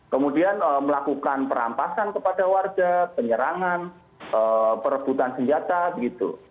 kemudian melakukan perampasan kepada warga penyerangan perebutan senjata gitu